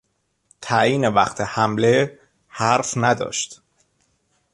تعیین وقت حمله حرف نداشت.